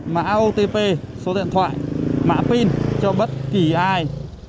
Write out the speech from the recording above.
mã otp số điện thoại mã pin cho bất kỳ ai